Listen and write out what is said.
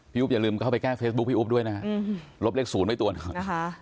พี่อุ๊ปอย่าลืมเข้าไปแก้เฟซบุ๊คพี่อุ๊ปด้วยนะลบเลข๐ไว้ตัวหน่อย